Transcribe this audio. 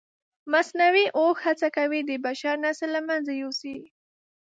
مصنوعي هوښ هڅه کوي د بشر نسل له منځه یوسي.